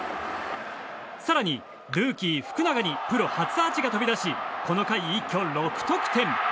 更に、ルーキー福永にプロ初アーチが飛び出しこの回一挙６得点。